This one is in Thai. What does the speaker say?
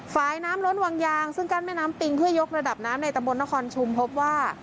ฝ่ายน้ำล้นวังยางซึ่งกั้นแม่น้ำปิงเพื่อยกระดับน้ำในตะบนนครชุมพบว่า